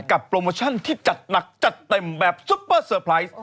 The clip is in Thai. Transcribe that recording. โปรโมชั่นที่จัดหนักจัดเต็มแบบซุปเปอร์เซอร์ไพรส์